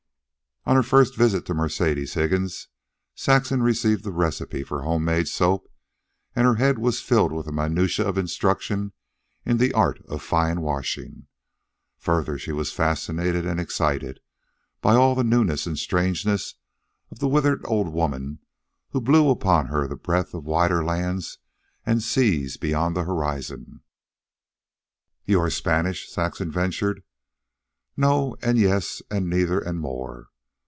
On her first visit to Mercedes Higgins, Saxon received the recipe for home made soap and her head was filled with a minutiae of instruction in the art of fine washing. Further, she was fascinated and excited by all the newness and strangeness of the withered old woman who blew upon her the breath of wider lands and seas beyond the horizon. "You are Spanish?" Saxon ventured. "No, and yes, and neither, and more.